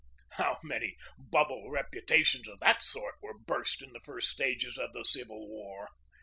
How many bubble reputations of that sort were burst in the first stages of the Civil War!